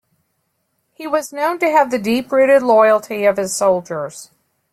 He was known to have the "deep rooted" loyalty of his soldiers.